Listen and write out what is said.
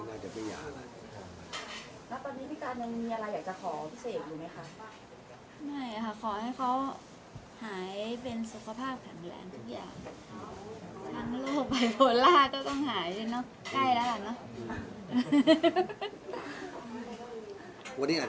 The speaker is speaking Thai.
ไม่อ่ะน่ะค่ะขอให้เขาหายเป็นสุขภาพสั่งแรกทุกอย่าง